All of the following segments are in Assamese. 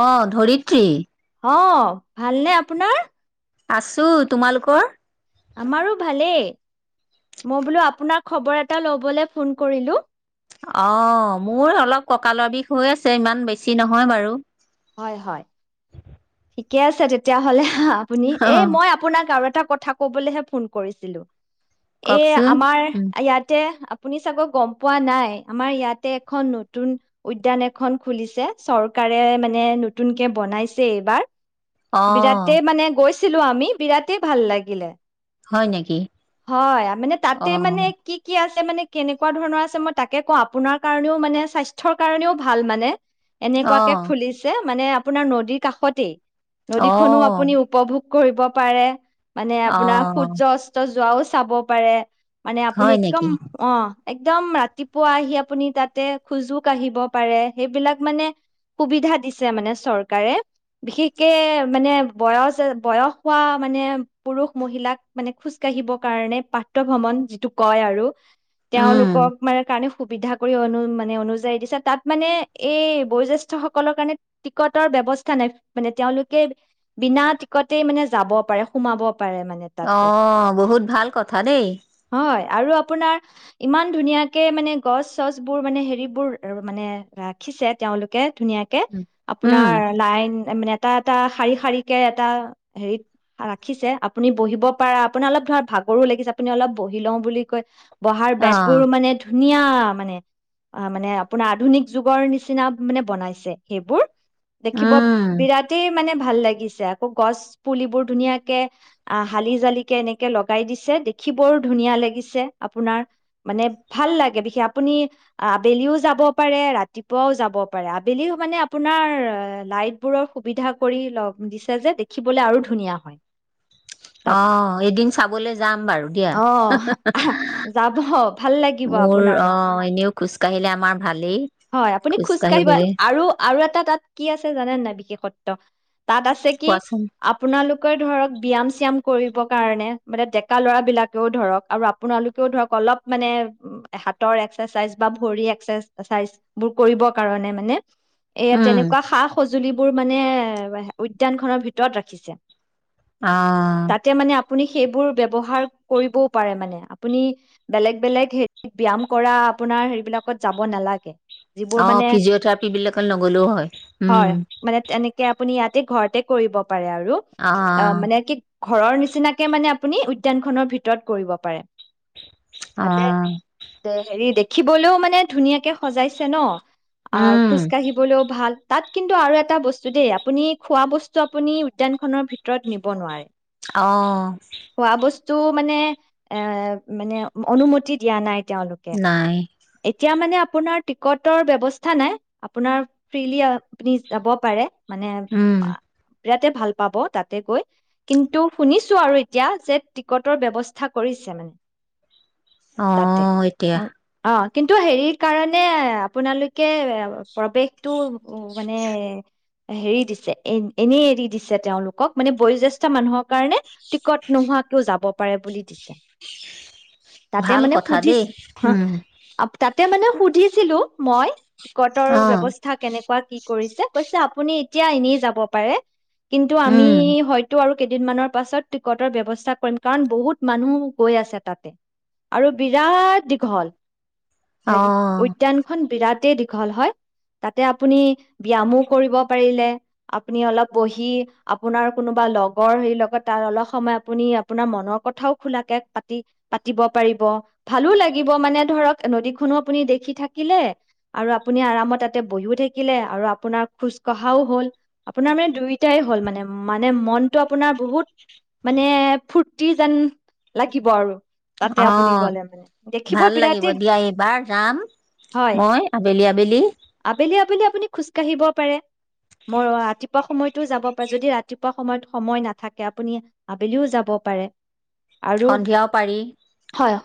অ', ধৰিত্ৰী। অ', ভালনে আপোনাৰ? আছোঁ, তোমালোকৰ? আমাৰো ভালেই। মই বোলো, আপোনাৰ খবৰ এটা ল'বলৈ ফোন কৰিলোঁ। অ', মোৰ অলপ কঁকালৰ বিষ হৈ আছে, ইমান বেছি নহয় বাৰু। হয়-হয়। ঠিকে আছে, তেতিয়াহ'লে। আপুনি, অ এই মই আপোনাক আৰু এট কথা ক'বলেহে ফোন কৰিছিলোঁ এই কওকচোন আমাৰ উম, ইয়াতে তুমি চাগৈ গম পোৱা নাই আমাৰ ইয়াতে এখন নতুন উদ্যান এখন খুলিছে চৰকাৰে মানে মানে নতুনকে বনাইছে এইবাৰ অ বিৰাতেই মানে গৈছিলো। গৈছিলো আমি বিৰাতেই ভাল লাগিলে হয় নেকি হয় মানে অ তাতেই মানে কি কি আছে। তাতেই মানে কেনেকুৱা ধৰণৰ আছে মই তাকে কওঁ আপোনাৰ কাৰণেও মানে স্বাস্থ্যৰ কাৰণেও ভাল মানে অ এনেকুৱাকে মানে আপোনাৰ নদীৰ কাষতেই অ নদীখনো আপুনি উপভোগ, কৰিব পাৰে। মানে অ আপোনাৰ সূৰ্য্য অস্ত যোৱাও, চাব পাৰে! মানে আপুনি হয় একদম নেকি অ' একদম ৰাতিপুৱা আহি আপুনি তাতে খোজোঁ কাঢ়িব পাৰে সেইবিলাক মানে, সুবিধা দিছে মানে চৰকাৰে বিশেষকে মানে বয়জে বয়স হোৱা মানে পুৰুষ-মহিলাক মানে খোজ কাঢ়িব কাৰণে প্ৰাতঃভ্ৰমণ যিটো কই আৰু উম তেওঁলোকক মানে কাৰণে, সুবিধা কৰি অনো মানে অনোযায়ী দিছে তাত মানে এই বয়োজেষ্ঠ, সকলৰ কাৰণে টিকটৰ ব্যৱস্থা নাই মানে তেওঁলোকে বিনা টিকটেই মানে যাব পাৰে সোমাব পাৰে মানে তাতে অ' বহুত ভাল কথা দেই, হয় আৰু আপোনাৰ ইমান ধুনীয়াকে মানে গছ - চছবোৰ মানে হেৰিবোৰ মানে ৰাখিছে তেওঁলোকে, ধুনীয়াকে উম আপোনাৰ লাইন মানে, এটা এটা শাৰী শাৰীকে এটা হেৰিত ৰাখিছে আপুনি বঢ়িব পাৰা আপোনাৰ অলপ ধৰক ভাগৰো লাগিছে আপুনি অলপ বঢ়ি লওঁ বুলি কৈ! বঢ়াৰ অ বেঞ্চবোৰো মানে, ধুনীয়া মানে আ মানে আপোনাৰ আধুনিক যুগৰ নিচিনা মানে বনাইছে, সেইবোৰ! দেখিব উম বিৰাতেই মানে, ভাল লাগিছে আকৌ গছপুলিবোৰ ধুনীয়াকে আ হালি - জালিকে এনেকে লগাই দিছে দেখি বৰ ধুনীয়া লাগিছে আপোনাৰ মানে ভাল লাগে দেখি আপুনি আবেলিও যাব পাৰে, ৰাতিপুৱাও যাব পাৰে। আবেলিও মানে আপোনাৰ লাইটবোৰৰ সুবিধা কৰি লগ দিছে যে দেখিবলে আৰু ধুনীয়া হয়। অ তাত এদিন চাবলে যাম বাৰু দিয়া। অ যাব ভাল লাগিব মোৰ আপোনাৰো অ এনেও খোজ কঢ়িলে আমাৰ ভালেই খোজ কাঢ়িবলে। অ আৰু এটা তাত কি আছে জানে নাই বিশেষত্ব? তাত আছে কি কোৱাচোন আপোনালোকে ধৰক ব্যায়াম চিয়াম কৰিব কাৰণে মানে ডেকা ল'ৰাবিলকেও ধৰক আৰু আপোনালোকেও ধৰক অলপ মানে হাতৰ এক্সেচাইজ বা ভৰিৰ এক্সেচাইজবোৰ কৰিবৰ কাৰণে মানে এ উম তেনেকুৱা সা-সজুঁলি [inaudible] উদ্যানখনৰ ভিতৰত ৰাখিছে। আহ তাতে মানে আপুনি সেইবোৰ ব্যবহাৰ কৰিবও পাৰে মানে আপুনি বেলেগ বেলেগ ব্যাম কৰা আপোনাৰ হেৰি বিলাকত যাব নালাগে। যিবোৰ অ মানে ফিজিঅ' থেৰাপি বিলাক নগলেও হয় উম আপোনি ইয়াতে ঘৰতে কৰিব পাৰে আৰু অ মানে কি ঘৰৰ নিচিনাকে মানে আপুনি উদ্যানখনৰ ভিতৰত কৰিব পাৰে অ তাতে হেৰি দেখিবলৈও মানে ধুনীয়াকে সজাইছে ন! উম [unintelligible] দিবলৈও ভাল। তাত কিন্তু আৰু এটা বস্তু দেই, আপুনি খোৱা বস্তু আপুনি উদ্যানখনৰ ভিতৰত নিব নোৱাৰে। অহ। তো মানে এ মানে অনুমতি দিয়া নাই। তেওঁলোকে নাই এতিয়া মানে আপোনাৰ টিকটৰ ব্যৱস্থা নাই। আপোনাৰ ফ্ৰিলি, আপুনি যাব পাৰে। মানে উম আ বিৰাতে ভাল পাব তাতে গৈ, কিন্তু শুনিছো আৰু এতিয়া যে টিকটৰ ব্যৱস্থা কৰিছে মান অ', এতিয়া। কিন্তু হেৰি কাৰণে আপোনালোকে প্ৰবেশটো মানে হেৰি দিছে এনেই এৰি দিছে তেওঁলোকক, মানে বয়োজ্যেষ্ঠ মানুহৰ কাৰণে টিকট নোহোৱা কৈও যাব পাৰে বুলি দিছে। তাতে ভাল মানে কথা দেই সুধিছি, উম আপতাত তে মানে সুধিছিলো মই টিকটৰ অ ব্যবস্থা তেনেকুৱা কেনেকুৱা কি কৰিছে, কৈছে আপুনি এতিয়া এনে যাব পাৰে কিন্তু আমি উম হয়টো আৰু কেইদিন মানৰ পাছত টিকিটৰ ব্যবস্থা কৰিম কাৰণ বহুত মানুহ গৈ আছে তাত আৰু বিৰাট দীঘল। অ হেৰি উদ্যানখন বিৰাট দীঘল তে দীঘল হয়, তাতে আপুনি ব্যামো কৰিব পাৰিলে, আপুনি অলপ বহি আপোনাৰ কোনোবা লগৰী লগত। তাৰ অলপ সময় আপুনি মনৰ কথাও সোলাকে পাতিব পাৰিব। ভালো লাগিব মানে ধৰক নদীখনো আপুনি দেখি থাকিলে আপুনি আৰামত বহি থাকিলে আৰু আপোনাৰ খোজ কঢ়াও হল আপোনাৰ মানে দুইটা হল মানে মানে মনটো আপোনাৰ বহুত মানে ফুটি্ যেন লাগিব আৰু। তাতে অ আপুনি গ'লে মানে দেখিব ভাল লাগিব বিৰাটেই দিয়া এবাৰ যাম হয় মই আবেলি আবেলি আবেলি আবেলি আপুনি খোজ কাঢ়িব পাৰে মই অ ৰাতিপুৱা সময়টো যাব পাৰে যদি ৰাতিপুৱা সময়ত সময় নাথাকে এ‌ আপুনি আবেলিও‌ যাব‌ পাৰে সন্ধিয়াও পাৰি।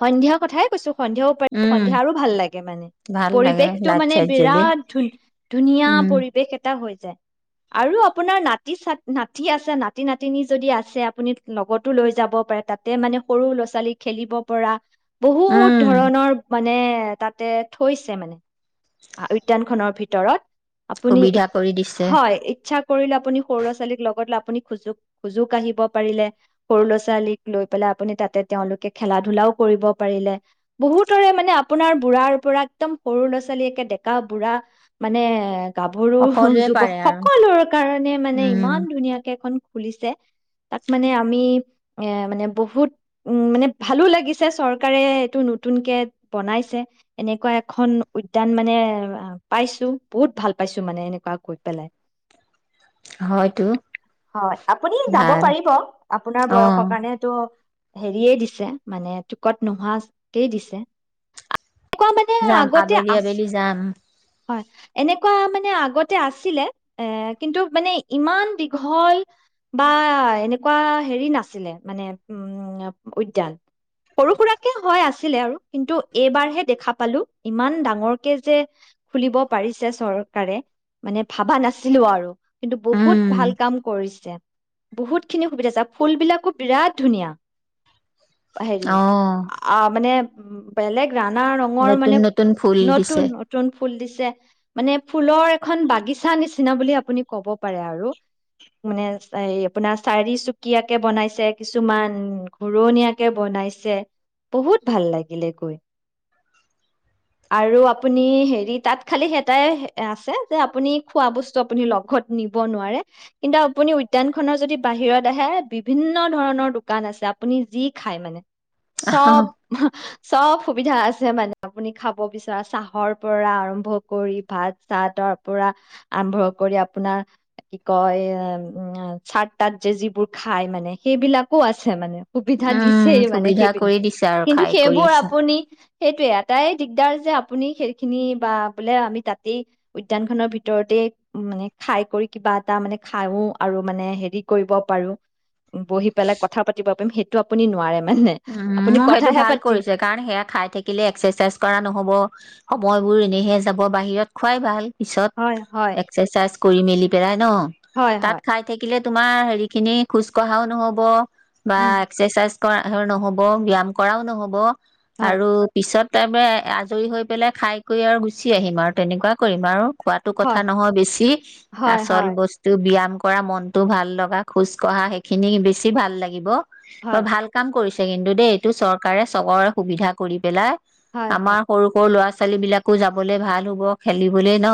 সন্ধ্যা কথাই কৈছোঁ। সন্ধিয়াও পাৰি, উম সন্ধিয়া আৰু ভাল লাগে মানে, ভাল লাগে পৰিৱেশটো লাইট মানে চাইট জ্বলি বিৰাত ধু, ধুনীয়া উম পৰিৱেশ এটা হয়। আৰু আপোনাৰ নাতি-ছাত, নাতি আছে, নাতি-নাতিনী যদি আছে আপুনি লগতো লৈ যাব পাৰে, তাতে মানে সৰু ল'ৰা-ছোৱালী খেলিব পৰা বহুত উম ধৰণৰ মানে এ, তাতে থৈছে মানে। আ, উদ্যান খনৰ ভিতৰত আপুনি, ই, সুবিধা কৰি দিছে হয় ইচ্ছা কৰিলে আপুনি সৰু ল'ৰা-ছোৱালীক লগত লৈ আপুনি খোজোঁ, খোজোঁ কাঢ়িব পাৰিলে, সৰু ল'ৰা-ছোৱালীক লৈ পেলাই আপুনি তাতে তেওঁলোকে খেলা-ধূলাও কৰিব পাৰিলে, বহুতৰে মানে আপোনাৰ বুঢ়াৰ পৰা একদম সৰু ল'ৰা-ছোৱালীয়ে একে ডেকা-বুঢ়া মানে গাভৰু, সকলোৱে যুৱক পাৰে আৰু সকলোৰে কাৰণে মানে উম ইমান ধুনীয়াকে এখন খুলিছে, তাত মানে আমি এ মানে বহুত, মানে ভালো লাগিছে, চৰকাৰে এইটো নতুনকে বনাইছে এনেকুৱা এখন উইদ উদ্যান মানে পাইছোঁ, বহুত ভাল পাইছোঁ মানে এনেকুৱা গৈ পেলাই। হয়তো অ', আপুনি যাব ভাল পাৰিব, আপোনাৰ অ বয়সৰ কাৰণে টো হেৰীয়ে দিছে, মানে টিকট নোহোৱাকে দিছে। এনেকুৱা মানে যাম আগতে আবেলি আবেলি যাম। হয়, এনেকুৱা মানে আগতে আছিলে, এ কিন্তু মানে ইমান দীঘল বা এনেকুৱা হেৰি নাছিলে, মানে উম, উদ্যান, সৰু সুৰাকে হয়, আছিলে আৰু কিন্তু এইবাৰহে দেখা পালোঁ ইমান ডাঙ ডাঙৰকে যে, খুলিব পৰিছে চৰকাৰে, মানে ভাবা নাছিলো আৰু। কিন্তু উম বহুত ভাল কাম কৰিছে। বহুতখিনি সুবিধা হৈছে আৰু ফুলবিলাকো বিৰাত ধুনীয়া। অ হেৰি, অ' মানে উম, বেলেগ নানা ৰঙৰ নতুন মানে নতুন ফুল নতুন, দিছে নতুন ফুল দিছে, মানে ফু ফুলৰ এখন বাগিচা নিচিনা বুলি আপুনি ক'ব পাৰে আৰু, মানে এই, আপোনাৰ চাৰিচুকীয়াকে বনাইছে, কিছুমান ঘূৰণীয়াকে বনাইছে, বহুত ভাল লাগিলে গৈ। আৰু আপুনি হেৰি তাত খালী এটা এ আছে যে, আপুনি খোৱা বস্তু আপুনি লগত নিব নোৱাৰে, কিন্তু আপুনি উদ্যানখনৰ যদি বাহিৰত আহে বিভিন্ন ধৰণৰ দোকান আছে, আপুনি যি খাই মানে। চব চব সুবিধা আছে মানে আপুনি খাব বিচৰা চাহৰ পৰা আৰম্ভ কৰি, ভাত চাতৰ পৰা আম্ভ্ৰ কৰি আপোনাৰ কি কয়, চাত তাত যে, যিবোৰ খাই মানে, সেইবিলাকো আছে মানে। সুবিধা উম দিছেই মানে সুবিধা সেইবিলাক, কৰি দিছে আৰু কিন্তু খাই সেইবোৰ কৰিছে আপুনি সেইটোৱে আ এটা এ দিগদাৰ যে, আপুনি সেইখিনি বা বুলে আমি তাতেই উদ্যানখনৰ ভিতৰতেই মানে খাই কৰি কিবা এটা মানে খাওঁ আৰু মানে হেৰি কৰিব পাৰো, বহি পেলাই কথা পাতিব পাৰিম, সেইটো আপুনি নোৱাৰে মানে উম, আপুনি মো, সেইটো কথাহে ভাল পাতি কৰিছে কাৰণ সেয়া খাই থাকিলে এক চে চেচ কৰা নহব, সময়বোৰো এনেহে যাব। বাহিৰত খোৱাই ভাল। পিছত, হয় হয় এক্সেচাইছ কৰি মেলি বেৰাত [unintelligible] ন। হয় তাত হয় খাই থাকিলে তোমাৰ হেৰিখিনি খোজ কঢ়াও নহব। বা, উম এক্সেচাইছ অহৰ নহব, ব্যাম কৰাও নহব। হয় আৰু পিছত একেবাৰে, আজৰি হৈ পেলে খাই কৰি আৰু গুছি আহিম আৰু তেনেকুৱা কৰিম আৰু। খোৱাটো কথা হয় নহয় বেছি, হয় আচল হয় বস্তু ব্যাম কৰা মনটো ভাল লগা, খোজ কঢ়া সেইখিনি বেছি ভাল লাগিব। হয় মই ভাল কৰিছে কিন্তু দেই, এইটো চৰকাৰে সবৰে সুবিধা কৰি পেলাই। হয় হয় আমাৰ সৰু সৰু ল'ৰা ছোৱালী ছোৱালী বিলাকো যাবলৈ ভাল হব, খেলিবলৈ ন।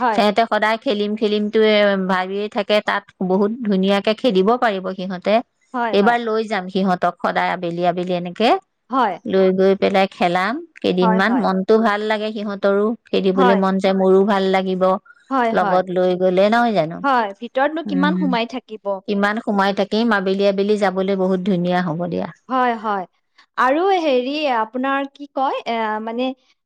হয় হেতে সদাই খেলিম খেলিম টোৱে, ভাবিয়ে থাকে তাত বহুত ধুনীয়াকে খেলিব পাৰিব সিহঁতে। হয় হয় এইবাৰ লৈ যাম সিহঁত সদায় আবেলি আবেলি এনেকে। হয় লৈ গৈ পেলাই খেলাম। কেইদিন হয় মান হয় মনটো ভাল লাগে। সিহঁতৰো খেলিবলৈ হয় মন যায় মোৰো ভাল লাগিব। হয় হয় লগত লৈ গলে নহয় জানো? হয় ভিতৰতনো কিমান উম, সোমাই থাকিব কিমান সোমাই থাকে। তেওঁ এই আবেলি আবেলি যাবলৈ বহুত ধুনীয়া হ'ব দিয়া হয় হয়। আৰু হেৰি আপোনাৰ কি কয়, এয়া মানে,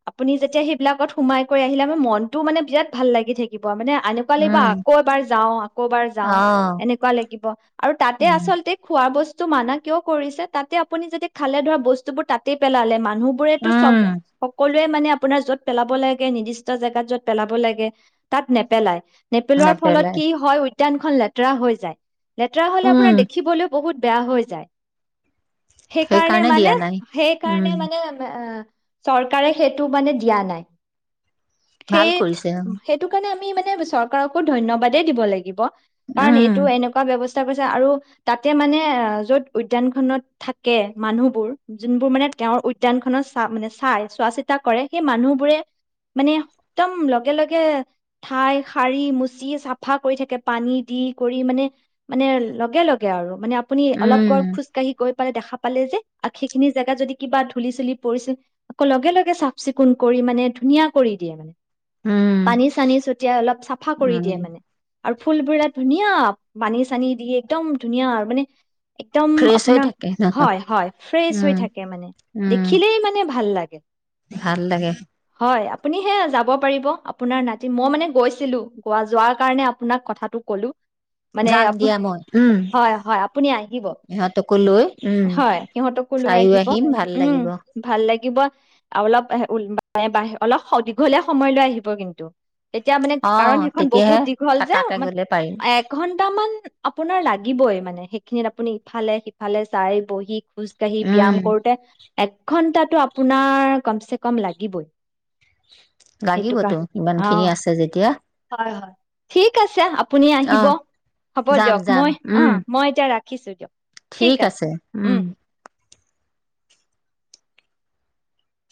আপুনি যেতিয়া সেইবিলাকত সোমাই কৰি আহিল মনটো মানে বিৰাট ভাল লাগি থাকিব। মানে, এনেকুৱা লাগিব উম আকৌ এবাৰ যাওঁ, আকৌ এবাৰ অ যাওঁ এনেকুৱা লাগিব। আৰু উম আচলতে খোৱা বস্তু তো মানা কিয় কৰিছে? তাতে আপুনি যদি খালে ধৰা বস্তু বোৰ তাতে পেলালে মা মানুহ বোৰেটো চৱ উম সকল এইতো মানে আপোনাৰ য'ত পেলাব লাগে নিদিষ্ট জেগাত য'ত পেলাব লাগে, তাত নেপেলাই। নেপেলোৱাৰ ফলত নেপেলাই কি হয় উদ্যানখন লেতেৰা হৈ যায়। লেতেৰা হ'লে, উম আপোনাৰ দেখিবলে বহুত বেয়া হৈ যায়। সেইকাৰণে মানে দিয়া নাই উম সেইকাৰণে মানে চৰকাৰে সেইটো মানে দিয়া নাই। ভাল সেইট কৰিছে সেইটোকাৰণে আমি মানে চৰকাৰকো ধন্যবাদেই দিব লাগিব। কাৰণ উম এইটো এনেকুৱা ব্যৱস্থ তাৰপাছত আৰু তাতে মানে য'ত উদ্যানখনত থাকে মানুহবোৰ যোনবোৰ মানে তেঁওৰ উদ্যানখনৰ চা মানে চাই চোৱা চিতা কৰে সেই মানু্হবোৰে মানে একদম লগে, লগে ঠাই সাৰি, মুচি চাফা কৰি থাকে পানী দি কৰি মানে মানে লগে, লগে আৰু। মানে আপুনি অলপ পৰ উম, খোজ কাঢ়ি গৈ দেখা পালে যে, সেইখিনি জেগাত যদি কিবা ধূলি চুলি পৰিছে আকৌ লগে, লগে চাফ চিকুন কৰি মানে ধুনীয়া কৰি দিয়ে মানে, উম, পানী চানী ছটিয়াই অলপ চাফা কৰি দিয়ে উম, মানে। আৰু ফুলবিলক ধুনীয়া পানী-চানী দি একদম্ ধুনীয়া আৰু মানে, একদম ফ্ৰেছ হৈ আপোনাৰ থাকে ন? হয় হয় ফ্ৰেছ হৈ উম, থাকে মানে উম, দেখিলেই মানে ভাল লাগে। [unintelligible] ভাল লাগে হয়! আপুনি সেই যাব পাৰিব আপোনাৰ নাতি মই মানে গৈছিলো যোৱা কাৰণে আপোনাক কথাটো ক'লো! মানে যাম আপোনাৰ দিয়া মই উম, হয় হয় আপুনি আহিব ইহঁতকো লৈ উম, হয় সিহঁতকো লৈ চাইও আহিব আহিম ভাল উম লাগিব ভাল লাগিব। [unintelligible] অলপ সম দীঘলীয়া সময় লৈ আহিব কিন্তু এতিয়া মানে কাৰণ অ', সেইখন বহুত তেতিয়াহে দীঘল যে থাকাকে গ'লে পাৰিম এঘণ্টামান আপোনাৰ লাগিবইয়ে মানে, সেইখিনিত আপুনি ইফালে-সিফালে চাই বঢ়ি, খোজ কঢ়ি উম, ব্যায়াম কৰোঁতে। এঘণ্টাটো আপোনাৰ কমছেকম লাগিবই, সেইটো লাগিব কাৰ টো অ'। ইমানখিনি আছে যেতিয়া, হয় হয়। ঠিক আছে। আপুনি আহিব অ', হ'ব যাম, দিয়ক যাম মই অ উম, মই এতিয়া, ৰাখিছোঁ দিয়ক। ঠিক আছে, উম।